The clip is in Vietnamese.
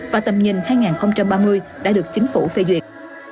và tầm nhìn hai nghìn ba mươi đã được chính phủ phê duyệt